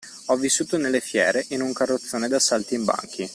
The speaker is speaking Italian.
Ho vissuto nelle fiere, in un carrozzone da saltimbanchi.